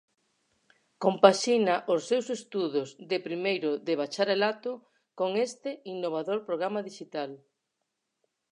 Compaxina os seus estudos de primeiro de bacharelato con este innovador programa dixital.